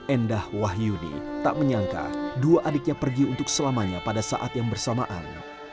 endah wahyudi tak menyangka dua adiknya pergi untuk selamanya pada saat yang bersamaan